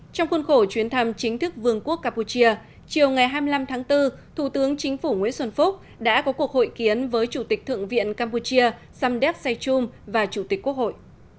trong khuôn khổ chuyến thăm chính thức vương quốc campuchia chiều ngày hai mươi năm tháng bốn thủ tướng chính phủ nguyễn xuân phúc đã có cuộc hội kiến với chủ tịch thượng viện campuchia samdek saychum và chủ tịch quốc hội